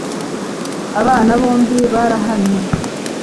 abana bombi barahanwe